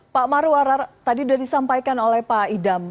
pak marwarar tadi sudah disampaikan oleh pak idam